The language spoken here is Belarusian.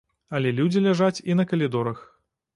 Але людзі ляжаць і на калідорах.